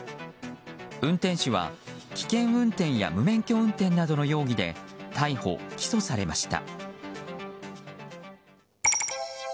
運転手は、危険運転や無免許運転などの容疑で逮捕・起訴されました。